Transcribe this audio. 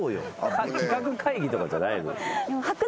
企画会議とかじゃないの？